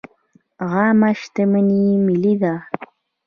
عامه شتمني ملي ده